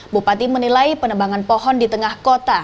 bupati menilai penebangan pohon di tengah kota